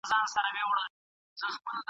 هغه د کاغذ مرغۍ په باد کي ښه البوته.